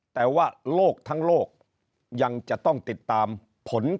แต่ว่าโลกทั้งโลกยังจะต้องติดตามผลของสหรัฐอเมริกา